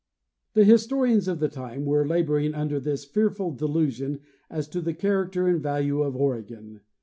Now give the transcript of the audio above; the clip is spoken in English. The historians of the time were laboring under this fearful delusion as to the character and value of Oregon.